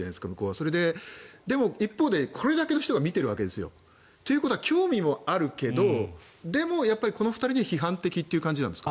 それで、でも一方でこれだけの人が見ているわけですよ。ということは興味もあるけどでもこの２人には批判的って感じなんですか。